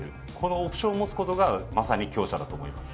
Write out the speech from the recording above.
オプションを持つことがまさに強者だと思います。